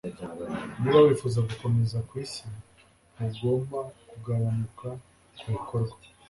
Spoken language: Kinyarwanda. niba wifuza gukomeza kwisi, ntugomba kugabanuka kubikorwa